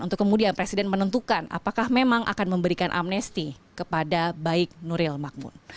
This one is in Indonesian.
untuk kemudian presiden menentukan apakah memang akan memberikan amnesti kepada baik nuril makmun